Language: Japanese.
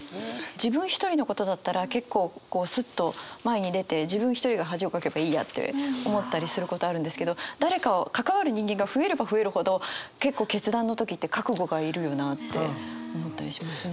自分一人のことだったら結構こうスッと前に出て自分一人が恥をかけばいいやって思ったりすることあるんですけど誰か関わる人間が増えれば増えるほど結構決断の時って覚悟がいるよなって思ったりしますね。